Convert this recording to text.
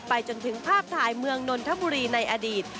จนถึงภาพถ่ายเมืองนนทบุรีในอดีต